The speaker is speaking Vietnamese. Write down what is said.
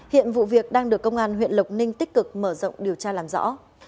hiện vụ việc đang được công an huyện lộc ninh tích cực mở rộng điều tra làm rõ